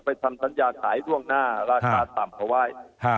ไปทำตรัญญาขายร่วงหน้าราคาต่ำขวาย